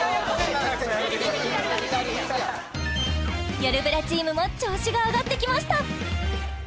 右肘左肘やよるブラチームも調子が上がってきました！